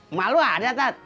emak lu ada tat